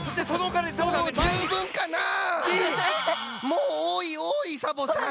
もうおおいおおいサボさん！